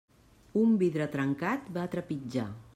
Un vidre trencat, va trepitjar.